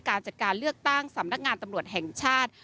การจัดการเลือกตั้งสำนักงานตำรวจแห่งชาติ